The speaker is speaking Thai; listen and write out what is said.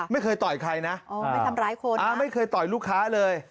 ไม่เคยต่อยใครนะโอ้ไม่ถำไรคนนะอ่ามันเก่ยต่อยลูกค้าเลย